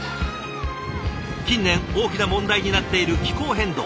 近年大きな問題になっている気候変動。